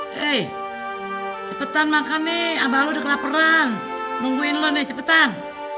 hei cepetan makan nih abah lu udah kelaperan nungguin lu nih cepetan